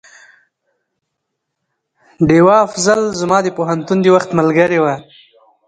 ډيوه افصل زما د پوهنتون د وخت ملګرې وه